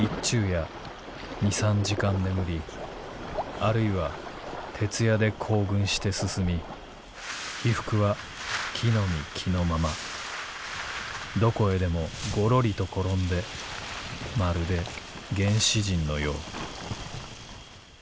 「あるいは徹夜で行軍して進み衣服は着の身着のままどこへでもごろりと転んでまるで原始人のよう」。